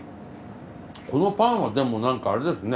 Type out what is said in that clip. このパンはでもなんかあれですね。